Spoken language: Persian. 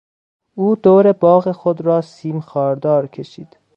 او دور باغ خود را سیم خاردار کشید.